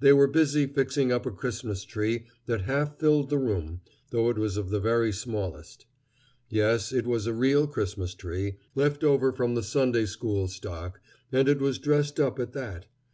They were busy fixing up a Christmas tree that half filled the room, though it was of the very smallest. Yes, it was a real Christmas tree, left over from the Sunday school stock, and it was dressed up at that.